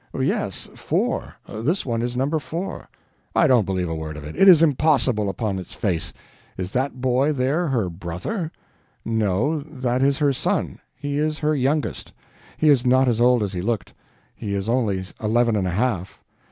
"Yes, four. This one is number four." "I don't believe a word of it. It is impossible, upon its face. Is that boy there her brother?" "No, that is her son. He is her youngest. He is not as old as he looked; he is only eleven and a half."